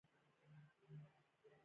د ټلفون له بندولو سره يې په اندېښنه وويل.